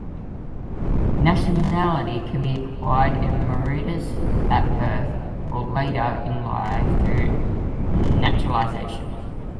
Nationality can be acquired in Mauritius at birth or later in life through naturalisation.